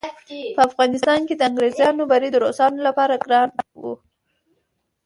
په افغانستان کې د انګریزانو بری د روسانو لپاره ګران وو.